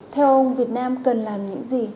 theo ông việt nam cần làm những gì